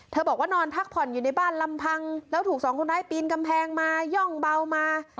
บอกว่านอนพักผ่อนอยู่ในบ้านลำพังแล้วถูกสองคนร้ายปีนกำแพงมาย่องเบามา